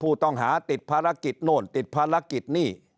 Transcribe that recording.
ผู้ต้องหาติดภารกิจโน่นติดภารกิจนี่